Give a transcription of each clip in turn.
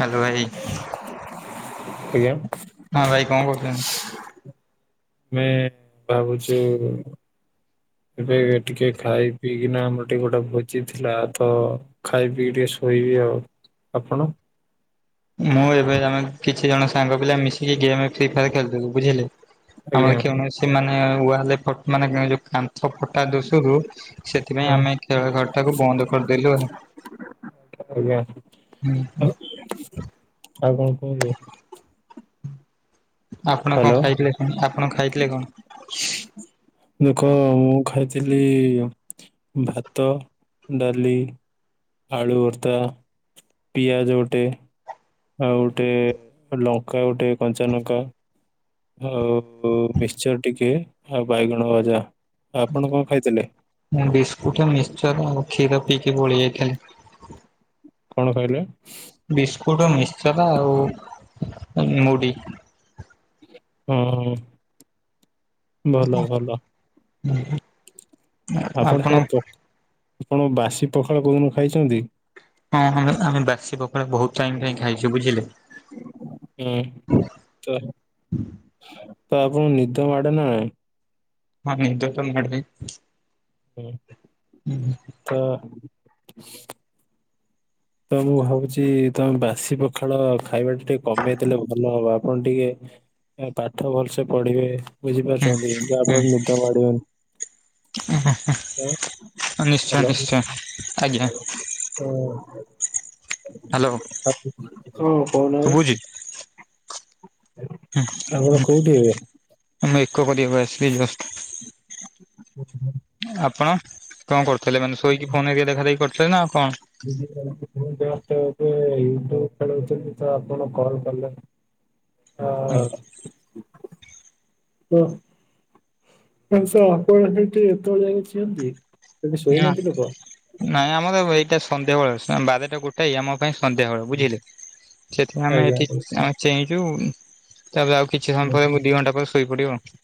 Hello ଭାଇ! ଆଜ୍ଞା ଆମେ ହଁ, ଭାଇ କଣ କରୁଛନ୍ତି? ମେ ଭାବୁଛୁ ଏବେ ଟିକେ ଖାଇ ପିଇକିନା, ଆମର ଟିକେ ଗୋଟେ ଭୋଜି ଥିଲା, ତ ଖାଇ ପିକି ଟିକେ ଶୋଇବି ଆଉ। ଆପଣ? ମୁଁ, ଏବେ ଜାମେତ୍ କିଛି ଜଣ ସାଙ୍ଗ ପିଲା ମିଶିକି ଗେମ୍ ଫ୍ରି ଫାୟାର୍ ଖେଳୁଥୁଲୁ। ବୁଝିଲେ? ଆଜ୍ଞା ଆମର କେଉଣସି ତେ ମାନେ ୱାଲେ ଫଟ୍, ମାନେ ଯଉ କାନ୍ତ ସ ଫଟା ଦୋଷରୁ, ସେଥିପାଇଁ ହଁ ଆମେ ଖେଳ ଘରଟାକୁ ବନ୍ଦ କରିଦେଲୁ ଆଉ। ଆଜ୍ଞା। ହୁଁ ହୁଁ ଆଉ କଣ କହଛୁ ଆପଣ କଣ ହ୍ୟାଲୋ ଖାଇଥିଲେ କଣ ଆପଣ ଖାଇଥିଲେ କଣ? ଦେଖ ମୁଁ ଖାଇଥିଲି ଭାତ ଡାଲି ଆଳୁ ଭର୍ତା ପିଆଜ ଓଟେ। ଆଉ ଗୋଟେ ଲଙ୍କା ଗୋଟେ କଞ୍ଚା ଲଙ୍କା ଆଉ ମିକ୍ସଚର ଟିକେ ଆଉ ବାଇଗଣ ଭଜା ଆଉ ଆପଣ କଣ ଖାଇଥିଲେ? ମୁଁ ବିସ୍କୁଟ ଆ ମିକସଚର ଆଉ କ୍ଷୀର ପିଇକି ପଳେଇ ଆଇଥିଲି କଣ କହିଲେ ବିସ୍କୁଟ ମିକ୍ସର ଆଉ ମୁଢି ହଁ ହଁ ଭଲ ଭଲ ହୁଁଁ ହୁଁ ଆପଣ ସିଆଡେ ପ ଆପଣ ବାସି ପଖାଳ କୋଉଦୁନ ଖାଇଛନ୍ତି। ହଁ ହଁ ଆମେ ବାସି ପଖାଳ ବୋହୁତ୍ ଟାଇମ୍ ରେ ହିଁ ଖାଇଛୁ, ବୁଝିଲେ। ହୁଁ ତ ତ ଆପଣଙ୍କୁ ନିଦ ମାଡେ ନା ନାଇଁ। ହଁ ନିଦ ତ ମାଡେ ହୁଁ ତ ସୁ ତ ମୁଁ ଭାବୁଛି-ଇ- ତମେ ବାସି ପଖାଳ ଖାଇବା ଟା ଟିକେ କମେଇ ଦେଲେ ଭଲ ହବ ଆପଣ ଟିକେ ଏଁ ପାଠ ଭଲ୍ସେ ପଢିବେ, ହୁଁ ବୁଝିପାରୁଚନ୍ତି ଯାଫଳରେ ନିଦ ମାଡିବନି। ହେଁ ହେଁ ହଁ, ହେଁ ନିଶ୍ଚୟ ନିଶ୍ଚୟ ଆଜ୍ଞା। ଉଁ ହ୍ୟାଲୋ ଉଁ ତାତିଛି ହୁଁ କୋଉ ନାହାଁନ୍ତି। ଶୁଭୁଛି ହୁଁ ଆପଣ ହୁଁ କୋଉଠି ଏବେ? ମୁଁ ଏକ କରିଆକୁ ଆସିଲି ଜଷ୍ଟ। ହୁଁ ହୁଁ ଆପଣ କଅଁ କରୁଥିଲେ, ମାନେ ଶୋଇକି ଫୋନ୍ ଏକେ ଦେଖାଦେଖି କରୁଥିଲେ ନା ଆଉ କଣ। ମୁଁ ଜଷ୍ଟ ଏବେ ୟୁଟୁବ୍ ଖେଳୋଉଥିଲି, ତ ଆପଣ କଲ୍ କଲେ। ଅ- ଓ- କ ମାଂସ ଆପଣ ସେଠି ଏତେବେଳ ଯାଙ୍କେ ଚିଅନ୍ତି ସେଠି ନା ଶୋଇନାଆନ୍ତି ଲୋକ। ନାଇଁ ଆମର ବ ଏଇଟା ସନ୍ଧ୍ୟାବେଳ, ସାନ୍ ବାରେଟା ଗୋଟାଏ ଆମ ପାଈଁ ସନ୍ଧ୍ୟାବେଳ ବୁଝିଲେ, ସେଠି ଆମେ ଆଜ୍ଞା ଏଠି ଆମେ ଚେଇଁଚୁ ତାପରେ ଆଉ କିଛି ସମୟ ପରେ ମୁଁ ଦି ଘଣ୍ଟା ପରେ ଶୋଇ ପଡିବଉ ଆଉ।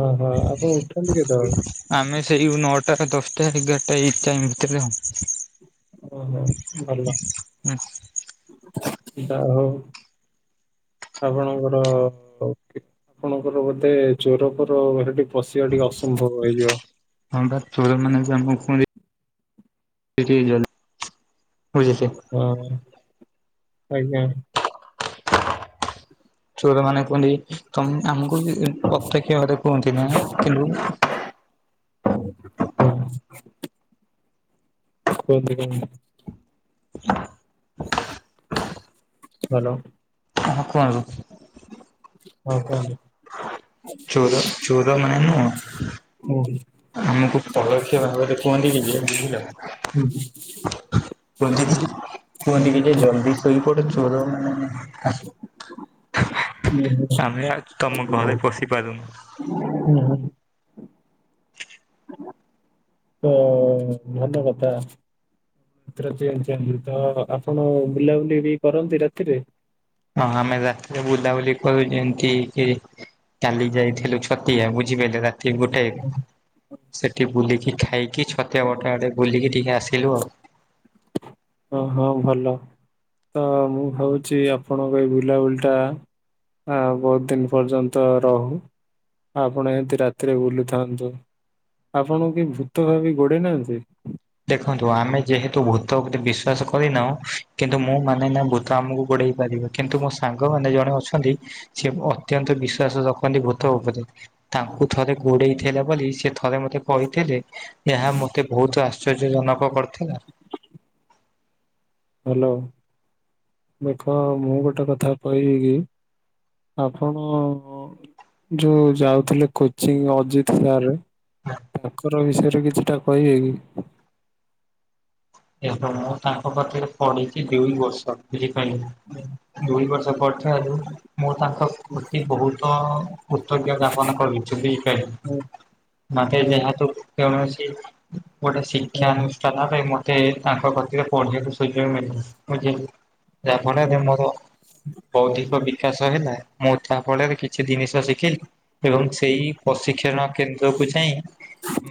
ଓଁ ହଁ ଆପଣ ଉଠନ୍ତି କେତେବେଳେ? ଆମେ ସେଇ ଯୋଉ ନଅଟା, ଦଶ୍ଟା, ଏଗାରଟା ଏଇ ଟାଇମ ଭିତରେ ଆଉ। ଓ ହୋ ଭଲ ହଁ ତିନଟା ହୋଉ ଆପଣଙ୍କର କେ ଆପଣଙ୍କର ବୋଧେ ଚୋର ଫୋର ହେଟି ପଶିଆକୁ ଟିକେ ଅସମ୍ଭବ ହେଇଯିବ। ହଁ ପାଚୋର ମାନେ ଯଦି ଆମୁକୁ କୂଅନ୍ତି ସେଠି କି ଜୀବାନେଇଁ ପଳିଆସିଆ। ହଁ ହଁ ଆଜ୍ଞା ଚୋର ମାନେ କୁଅନ୍ତି, ତମେ ଆମୁକୁ ବି ଏ -ମ୍ ଅପେକ୍ଷା କରିବ କୁହନ୍ତିନି ହେଲା ରୂମ ହୁଁ ଫୋନ ରେ କଁ ଏମ୍ ହାଲୋ ହଁ କୁଅନ୍ତୁ। ହଁ ଚୋର ଚୋର ମାନେ କୂଅନ୍ତୁ ନୁହଁ କୂଅନ୍ତୁ ଆମକୁ ପଳୋକ୍ଷ ଭାବରେ କୁହନ୍ତି କି ଯେ ବୁଝିଲ ହୁଁ କୁହନ୍ତିକି କୁହନ୍ତିକି ଯେ ଜଲ୍ଦି ସୋଇପଡ ଚୋର ମାନ ଆସ୍ ହୁଁ ଆମେ ଆଜି ତମ ଘରେ ପଶିପାରୁନୁ। ହୁଁ ହୁଁ ତ-ଅ-ଭଲ କଥା। କେତେଟା ଚେନ୍ ଚେନ୍ ଭୁତ ଆପଣ ବୁଲାବୁଲି ବି କରନ୍ତି ରାତିରେ? ହଁ ଆମେ ରାତିରେ ବୁଲାବୁଲି କରୁ ଯେମିତି କି କାଲି ଯାଇଥିଲୁ ଛତିଆ ବୁଝିପାଇଲେ ରାତି ଗୋଟାଏ ରେ ସେଠି ବୁଲିକି ଖାଇକି, ଛତିଆ ବଟ ଆଡେ ବୁଲିକି ଟିକେ ଆସିଲୁ ଆଉ। ହଁ ହଁ ଭଲ ତ ମୁଁ ଭାବୁଛି ଆପଣଙ୍କ ଏଇ ବୁଲାବୁଲି ଟା ଆ ବୋଉ ଦିନ୍ ପର୍ଯ୍ୟନ୍ତ ରହୁ ଆପଣ ଏମିତି ରାତିରେ ବୁଲୁଥାନ୍ତୁ। ଆପଣୁଙ୍କୁ କିଏ ଭୂତ ଭାବି ଗୋଡେଇ ନାହାଁନ୍ତି? ଦେଖନ୍ତୁ ଆମେ ଯେହେତୁ ଭୂତ ଉପରେ ବିଷ୍ ଶ୍ୱାସ କରିନାହୁଁ, କିନ୍ତୁ ମୁଁ ମାନେନା ଭୂତ ଆମୁକୁ ଗୋଡେଇ ପାରିବ କିନ୍ତୁ ମୋ ସାଙ୍ଗମାନେ ଜଣେ ଅଛନ୍ତି ସେ ବ ଅତ୍ୟନ୍ତ ବିଶ୍ଵାସ ରଖନ୍ତି ଭୂତ ଓପରେ। ତାଙ୍କୁ ଥରେ ଗୋଡେଇ ଥିଲା ବୋଲି ସେ ଥରେ ମତେ କହିଥିଲେ ଏହା ମତେ ବହୁତ ଆସ ଆଶ୍ଚର୍ଯ୍ୟ ଜନକ କରିଥିଲା। ହ୍ୟାଲୋ ଦେଖ ମୁଁ ଗୋଟେ କଥା କହିବିକି ଆପଣ ଯୋଉ ଯାଉଥିଲେ କୋଚିଂ ଅଜିତ ସାର୍ ତାଙ୍କର ବିଷୟରେ କିଛିଟା କହିବେ କି? ଦେଖ ମୁଁ ତାଙ୍କ ପାଖରେ ପଢିଚି ଦୁଇ ବର୍ଷ ବୁଝିପାରିଲେ। ଦୁଇ ବର୍ଷ ପଢିଥିବାରୁ ମୁଁ ତାଙ୍କ ସ୍ମୃତି ବହୁତ କୃତଜ୍ଞତା ଜ୍ଞାପନା କରିଥିଲି, କେବ ନା କେ ହଁ, ଯେହାତୁ କୌଣସି ଗୋଟେ ଶିକ୍ଷାନୁଷ୍ଠାନ ରେ ମୋତେ ମୋତେ ତାଙ୍କ ପାଖରେ ପଢିବାକୁ ସୁଯୋଗ ମିଳିଥିଲା ପୁଣି ଯେତ ଯାହା ଫଳରେ ମୋର ବୌଦ୍ଧିକ ବିକାଶ ହେଲା ମୁଁ ତା ଫଳରେ କିଛି ଜିନିଷ ଶିଖିଲି ଦେଖନ୍ତୁ ସେଇ ପ୍ରଶିକ୍ଷଣ କେନ୍ଦ୍ରକୁ ଯାଇ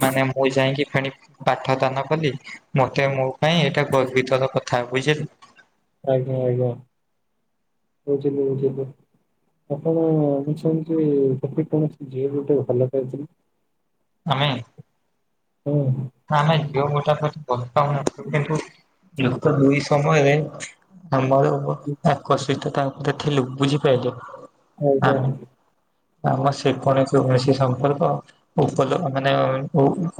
ମାନେ ମୁଁ ଯାଇକି ଫଣି ପାଠ ଦାନ କଲି। ମତେ ମୋ ପାଇଁ ଏଇଟା ଗର୍ବିତର କଥା ବୁଝିଲୁ। ଆଜ୍ଞା ଆଜ୍ଞା ବୁଝିଲି ବୁଝିଲି। ସତକହ ମୁଁ ଶୁଣୁଛି ତତେ କୌଣସି ଝିଅ ଗୋଟେ ଭଲ ପାଉଥିଲା ମାନେ! ହୁଁ। ଆମେ ଝିଅ ଘର ଠାରୁ ଫଟ ମାଗୁଥିଲୁ କିନ୍ତୁ ଯୁକ୍ତ ଦୁଇ ସମୟରେ ଆମର ଆକର୍ଷିତ ତାଙ୍କର ଦେଖିଲୁ ବୁଝିପାରିଲୁ? ଆଜ୍ଞା ଆମେ ଆମ ସେ କଣ କୌଣସି ସମ୍ପର୍କ ଉପଲ ମାନେ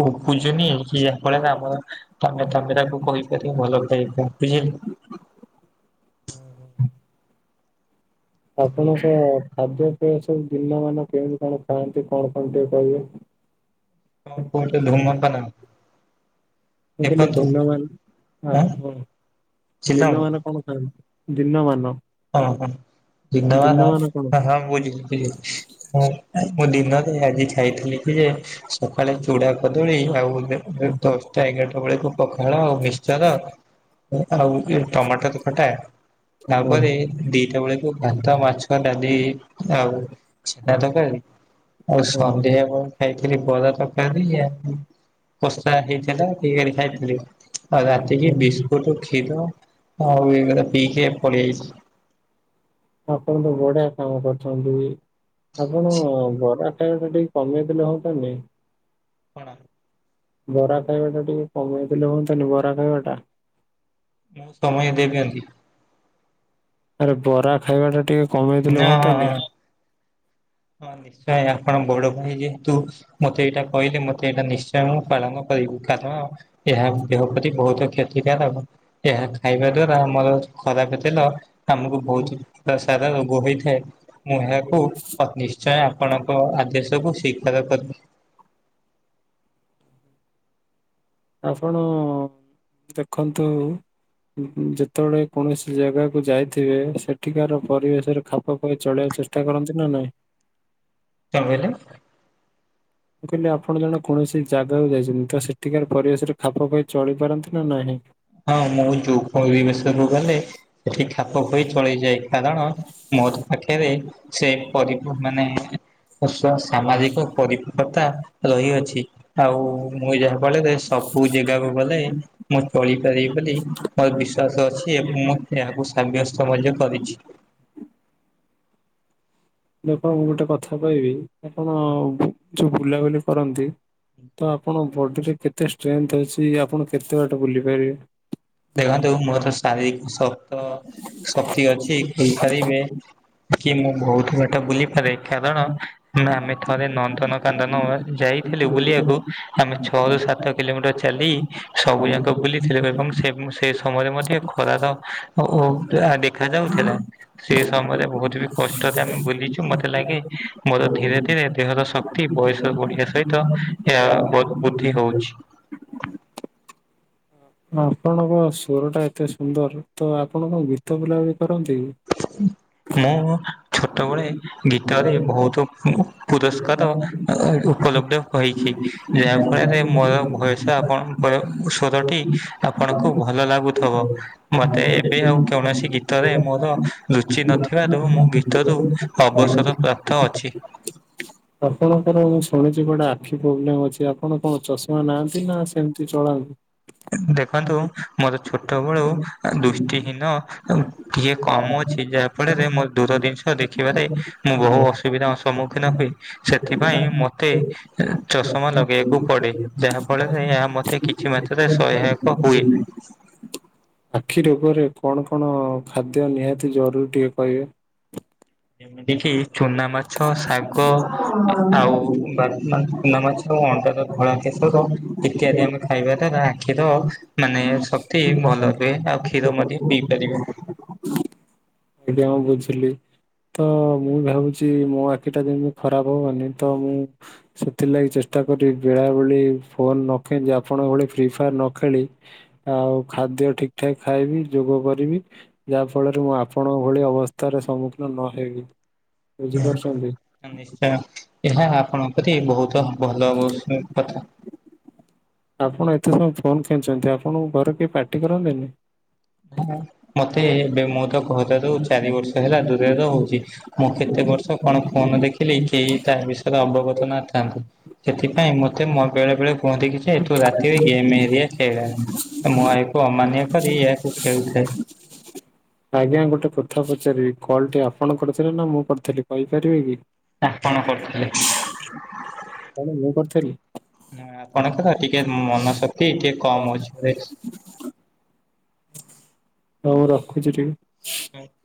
ଉ-ପୁ-ଲ ବୁୁଝୁନି ଝିଅ ପଳେଇଲା ପରେ ତମେ ତାପରେ ତାକୁ କହିପାରିବ ଭଲ ପାଇ ବୁଝିଲୁ। ହୁଁ ହୁଁ ଆପଣଙ୍କ ଖାଦ୍ୟପେୟ ସବୁ ଦିନ ମାନ କେମିତି କଣ ଖାଆନ୍ତି କଣ କଣ ଟିକେ କହିବେ? [unintelligible] ଆପଣ କୁହନ୍ତୁ ଧୁମମତାନା ମୁଁ କହିଲି ଦିନମାନ ହଁ ଚିଲ ଦିନମାନ କଣ ଖାଆନ୍ତି? ଦିନମାନ? ଓ ହୋ ଦିନମାନ କଣ ହଁ ଖାଆନ୍ତି? ହଁ ବୁଝିଲି ବୁଝିଲି ମୁଁ ଦିନ ରେ ଆଜି ଖାଇଥିଲି କି ଯେ ସକାଳେ ଚୁଡା କଦଳୀ ଆଉ ଦଶଟା ଏଗାରଟା ବେଳକୁ ପଖାଳ ଆଉ ମିକ୍ସଚର ଆଉ ଗୋଟେ ଟମାଟର ଖଟା ତାପରେ ହଁ ଦିଟା ବେଳକୁ ଭାତ, ମାଛ, ଡାଲି ଆଉ ଛେନା ତରକାରୀ ଆଉ ହଁ ସନ୍ଧ୍ୟା ବେଳେ ଖାଇଥିଲି ବରା ତରକାରୀ ଆଉ କଷା ହେଇଥିଲା ଟିକେ ଆଣି ଖାଇଥିଲି ଆଉ ରାତିକି ବିସ୍କୁଟ ଖୀର ଆଉ ଏଇ ଗୁଡାକ ପିଇକି ପଳିଆଇଚି। ଆପଣ ତ ବଢିଆ କାମ କରୁଛନ୍ତି। ଆପଣ ବରା ଖାଇବା ଟା ଟିକେ କମେଇଦଲେ ହୁଅନ୍ତାନି। କଣ? ବରା ଖାଇବା ଟା ଟିକେ କମେଇ ଦେଲେ ହୁଅନ୍ତାନି ବରା ଖାଇବା ଟା? ମୁଁ ସମୟ ଦେଇ ଦିଅନ୍ତି। ଆରେ ବରା ଖାଇବା ଟା ଟିକେ କମେଇ ଦେଲେ ନା ହଁ ହୁଅନ୍ତାନି ହିଁ ହଁ ନିଶ୍ଚୟ। ବଡ ଭାଇ ଯେହେତୁ ମତେ ଏଇଟା କହିଲେ ମତେ ଏଇଟା ନିଶ୍ଚୟ ମୁଁ ପାଳନ କରିବି କାରଣ ଏହା ଦେହ ପ୍ରତି ବହୁତ କ୍ଷତିକାରକ, ଏହା ଖାଇବା ଦ୍ଵାରା ଆମର ଖରାପ ତେଲ ଆମକୁ ବହୁତ ସାର ରୋଗ ହୋଇଥାଏ ମୁଁ ଏହାକୁ ଅ ନିଶ୍ଚୟ ଆପଣଙ୍କ ଆଦେଶକୁ ସ୍ୱୀକାର କରିଲି। ଆପଣ ଦେଖନ୍ତୁ ଯେତେବେଳେ କୌଣସି ଜାଗାକୁ ଯାଇଥିବେ ସେଠିକାର ପରିବେଶରେ ଖାପ ଖୁଆଇ ଚଳିବାକୁ ଚେଷ୍ଟା ପିଠା କରନ୍ତି ନା ନାଇଁ? କଣ କହିଲେ? ମୁଁ କହିଲି ଆପଣ ଜଣେ କୌଣସି ଜାଗାକୁ ଯାଇଛନ୍ତି ତ ସେଠିକାର ପରିବେଶରେ ଖାପ ଖାଇ ଚଳି ପାରନ୍ତି ନା ନାହିଁ। ହଁ ମୁଁ ଯୋଉ ପରିବେଶକୁ ଗଲେ ହେଠି ଖାପ ଖୋଇ ଚଳେଇଯାଏ। କାରଣ ମୋର ପାଖରେ ସେ ପରିବ ମାନେ ସାମାଜିକ ପରିପକ୍ଵତା ରହିଅଛି। ଆଉ ମୁଁ ଯାହା ଫଳରେ ସବୁ ଯାଗାକୁ ଗଲେ ମୁଁ ଚଳିପାରିବି ବୋଲି ମୋର ବିଶ୍ୱାସ ଅଛି ଏବଂ ମୁଁ ଏହାକୁ ସାବ୍ୟସ୍ତ ମଧ୍ୟ କରିଛି। ଦେଖ ମୁଁ ଗୋଟେ କଥା କହିବି ଆପଣ ଯୋଉ ବୁଲାବୁଲି କରନ୍ତି ତ ଆପଣଙ୍କ ବଡିରେ କେତେ ଷ୍ଟ୍ରେନ୍ଥ ଅଛି ଆପଣ କେତେ ବାଟେ ବୁଲି ପାରିବେ? ଦେଖନ୍ତୁ ମୋର ଶାରୀରିକ ଶକ୍ତ ଶକ୍ତି ଅଛି କହିପାରିବେ। କି ମୁଁ ବହୁତ ବାଟ ବୁଲିପାରେ କାରଣ ନା ଆମେ ଥରେ ନନ୍ଦନ କାନନ ଯାଇଥିଲୁ ବୁଲିବାକୁ ଆମେ ଛଅରୁୁ ସାତ କିଲୋମିଟର ଚାଲି ସବୁ ଯାକ ବୁଲିଥିଲୁ ଏବଂ ସେ ସମୟରେ ମଧ୍ୟ ହେ ଖରାର ଓ ଟା ଦେଖା ଯାଉଥିଲା। ସେ ସମୟରେ ବହୁତ ବି କଷ୍ଟରେ ଆମେ ବୁଲିଛୁ ମତେ ଲାଗେ ମୋର ଧୀରେ ଧୀରେ ଦେହର ଶ କ୍ତି ବୟସ ବଢ଼ିବା ସହିତ ଏହା ଵ ବୁଦ୍ଧି ହଉଛି। ଆପଣଙ୍କ ସ୍ୱରଟା ଏତେ ସୁନ୍ଦର ତ ଆପଣ କଣଗୀତ ବୋଲା ବୋଲି କରନ୍ତି କି? ମୁଁ ଛୋଟବେଳେ ଗୀତରେ ବହୁତ ପୁରସ୍କାର ଉପଲବ୍ଧ ହୋଇଛି ଯାହା ଫଳରେ ମୋର କି? ଭୟସ ଆପଣଙ୍କର ସ୍ୱର ଟି ଆପଣଙ୍କୁ ଭଲ ଲାଗୁଥିବ ମତେ ଏବେ ଆଉ କୌଣସି ଗୀତରେ ମୋର ରୁଚି ନଥିବାରୁ ମୁଁ ଗୀତରୁ ହଉ ଅବସର ପ୍ରାପ୍ତ ଅଛି। [inaudible] ଆପଣଙ୍କର ମୁଁ ଶୁଣିଛି ଗୋଟେ ଆଖି ପ୍ରୋବ୍ଲେମ ଅଛି। ଆପଣ କଣ ଚଷମା ନାଆନ୍ତି ନା ସେମିତି ଚଳାନ୍ତି? ଦେଖନ୍ତୁ ମୋର ଛୋଟବେଳୁ ଦୃଷ୍ଟିହୀନ ଟିକେ କମ ଅଛି ଯାହା ଫଳରେ ମୋ ଦୂର ଜିନିଷ ଦେଖିବାରେ ମୁଁ ବହୁ ଅସୁବିଧା ଅସୁ ସମ୍ମୁଖୀନ ହୁଏ ସେଥିପାଇଁ ମତେ ଚଷମା ଲଗେଇବାକୁ ପଡେ ଯାହା ଫଳରେ ଏହା ମତେ କିଛି ମାତ୍ରାରେ ସହାୟକ ହୁଏ। ଆଖି ରୋଗରେ କଣ କଣ ଖାଦ୍ୟ ନିହାତି ଜରୁରୀ ଟିକେ କହିବେ? ଏମିତି କି ଚୁନା ମାଛ ଶାଗ ଆଉ ବା ବା ଚୁନା ମାଛ ଅଣ୍ଡା ତ ଧଳା କେଶର ଇତ୍ୟାଦି ଆମେ ଖାଇବା ଦ୍ଵାରା ଆଖିର ମାନେ ସ କ୍ତି ଭଲ ରୁଏ ଆଉ କ୍ଷୀର ମଧ୍ୟ ପିଇ ପାରିବେ। ଏବେ ଆଉ ବୁଝିଲି ତ ମୁଁ ଭାବୁ ଛି ମୋ ଆଖିଟା ଯେମି ଖରାପ ହବନି ତ ମୁଁ ସେଥିଲାଗି ଚେଷ୍ଟା କରିବି ବେଳା ବେଳି ଫୋନ୍ ନଖେଞ୍ଚି ଆପଣଙ୍କ ଭଳି ଫ୍ରି ଫାୟାର ନ ଖେଳି ଆଉ ଖାଦ୍ୟ ଠିକ୍ ଠାକ୍ ଖାଇବି ଯୋଗ କରିବି। ଯାହା ଫଳରେ ମୁଁ ଆପଣଙ୍କ ଭଳି ଅବସ୍ଥାରେ ସମ୍ମୁଖୀନ ନ ହେବି। ବୁଝିପାରୁଛନ୍ତି ନିଶ୍ଚୟ ଏହା ଆପଣଙ୍କ ପ୍ରତି ବହୁତ ଭଲ ହବ ସେ କଥା। ଆପଣ ଏତେ ସମୟ ଫୋନ୍ କେଞ୍ଚନ୍ତି ଆପଣଙ୍କୁ ଘରେ କେହି ପାଟି କରନ୍ତି ନି? ହ ମତେ ଏବେ ମୁଁ ତ ଘରରୁ ଚାରି ବର୍ଷ ହେଲା ଦୂରରେ ରହୁଚି ମୁଁ କେତେ ବର୍ଷ କଣ ଫୋନ ଦେଖିଲି କେହି ତା ବିଷୟରେ ଅବଗତ ନଥାନ୍ତି। ସେଥିପାଇଁ ମତେ ମୋ ବେଳେ ବେଳେ କୁହନ୍ତି କିି ଯେ ତୁ ରାତିରେ ଗେମ୍ ହେରିକା ଖେଳେ ନା ମୁଁ ଏହାକୁ ଅମାନ୍ୟ କରି ଏହାକୁ ଖେଳୁଥାଏ। [inaudible] ଆଜ୍ଞା ଗୋଟେ କଥା ପଚାରିବି କଲ୍ ଟି ଆପଣ କରିଥିଲେ ନା ମୁଁ କରିଥିଲି କହିପାରିବେ କି? ଆପଣ କରିଥିଲେ। କଣ ମୁଁ କରିଥିଲି ନା ଆପଣଙ୍କର ଟିକେ ମନ ଶକ୍ତି ଟିକେ କମ୍ ଅଛି ହଉ ବେସ୍। ହଉ ମୁଁ ରଖୁଚି ଟିକେ। ଆ [inaudible]